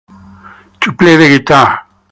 To play the guitar.